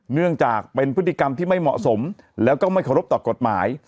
เนื่องจากเป็นพฤติกรรมที่ไม่เหมาะสมแล้วก็ไม่เคารพต่อกฎหมาย